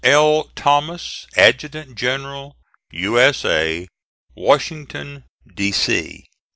L. THOMAS Adjt. Gen. U. S. A., Washington, D. C.